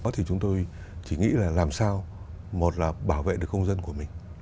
thì chúng tôi chỉ nghĩ là làm sao một là bảo vệ được công dân của mình